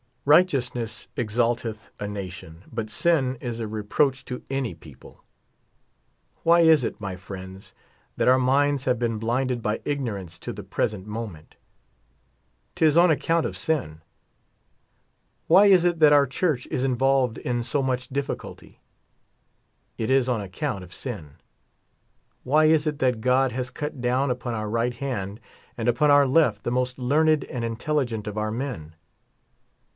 4 Righteousness exalteth a nation, but sin is a reproach to an}^ people. Why is it, my friends, that our minds have been blinded bj* ignorance to the present moment? Tis on account of sin. Why is it that our church is in volved in so mucli difficulty? It is on account of sin. Why is it that God has cut down, upon our right hand and upon our left the most learned and intelligent of our men?